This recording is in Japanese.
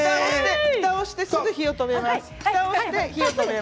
ふたをして火を止めます。